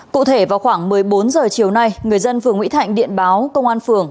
cụ thể vào khoảng một mươi bốn h chiều nay người dân phường mỹ thạnh điện báo công an phường